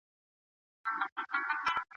تاسي باید په خپل ژوند کي رښتیني مسلمانان اوسئ.